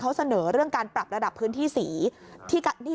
เขาเสนอเรื่องการปรับระดับพื้นที่สี